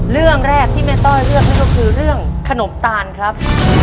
เรื่องแรกที่แม่ต้อยเลือกนั่นก็คือเรื่องขนมตาลครับ